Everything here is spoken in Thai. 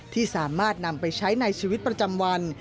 ที่สามารถนำไปใช้ในชีวิตประจำวัน